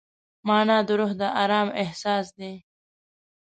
مانا د روح د ارام اساس دی.